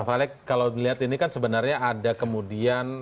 prof alek kalau dilihat ini kan sebenarnya ada kemudian